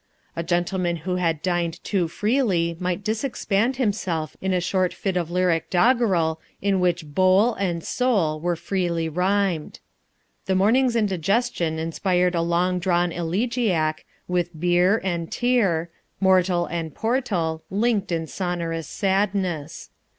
A gentleman who had dined too freely might disexpand himself in a short fit of lyric doggerel in which "bowl" and "soul" were freely rhymed. The morning's indigestion inspired a long drawn elegiac, with "bier" and "tear," "mortal" and "portal" linked in sonorous sadness.